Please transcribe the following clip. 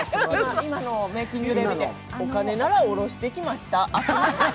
今のメイキング見て、お金なら下ろしてきました？